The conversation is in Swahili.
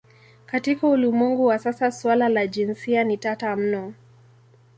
Katika ulimwengu wa sasa suala la jinsia ni tata mno.